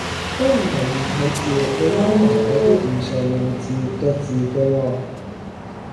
歸納為異體字，會撈埋嗰啲唔常用字嘅字嘅喎